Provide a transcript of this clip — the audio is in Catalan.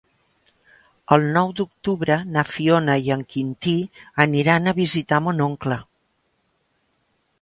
El nou d'octubre na Fiona i en Quintí aniran a visitar mon oncle.